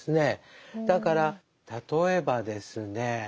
だから例えばですね